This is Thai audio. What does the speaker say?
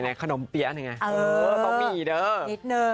เออต้องมีเด้อ